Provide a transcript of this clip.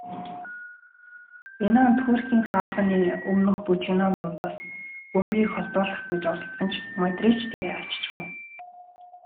Инан Туркийн хаалганы өмнөх бужигнаан дундаас бөмбөгийг холдуулах гэж оролдсон ч Модрич дээр авааччихав.